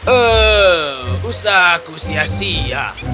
oh usah aku sia sia